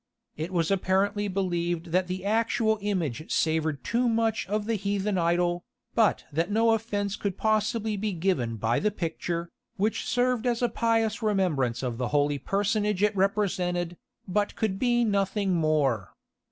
It was apparently believed that the actual image savoured too much of the heathen idol, but that no offence could possibly be given by the picture, which served as a pious remembrance of the holy personage it represented, but could be nothing more.